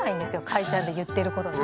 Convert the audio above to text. かいちゃんの言ってることが。